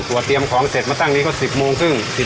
เตรียมของเสร็จมาตั้งนี้ก็๑๐โมงครึ่ง